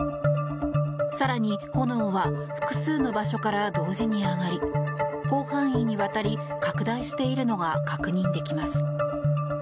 更に、炎は複数の場所から同時に上がり広範囲にわたり拡大しているのが確認できます。